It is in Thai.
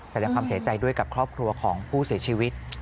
แสดงความเสียใจด้วยกับครอบครัวของผู้เสียชีวิต